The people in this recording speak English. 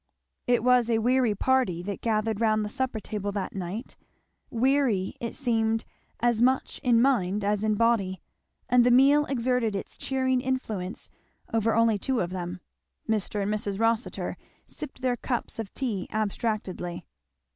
It was a weary party that gathered round the supper table that night, weary it seemed as much in mind as in body; and the meal exerted its cheering influence over only two of them; Mr. and Mrs. Rossitur sipped their cups of tea abstractedly.